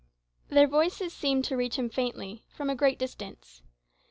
Their voices seemed to reach him faintly, from a great distance.